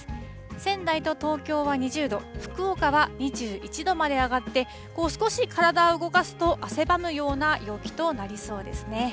仙台と東京は２０度、福岡は２１度まで上がって、少し体を動かすと汗ばむような陽気となりそうですね。